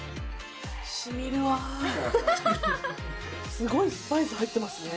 すごいスパイス入ってますね。